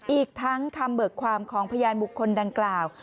อีกทั้งคำเบิกความของพยานบุคคลดังกล่าว